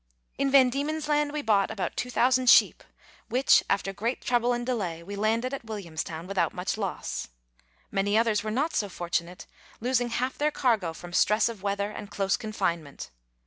In VanDiemen's Land we bought about 2,000 sheep, which, after great trouble and delay, we landed at Williamstown without much loss. Many others were not so fortunate, losing half their cargo from stress of weather and close confinement.